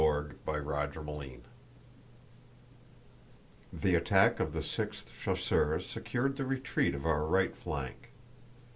CHAPTER XIX The attack of the Sixth Chasseurs secured the retreat of our right flank.